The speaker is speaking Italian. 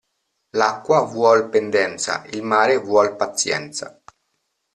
L'acqua vuol pendenza il mare vuol pazienza.